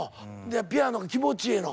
ピアノが気持ちええの？